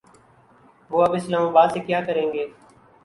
وہ اب اسلام آباد سے کیا کریں گے۔